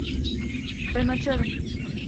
Ben açarım.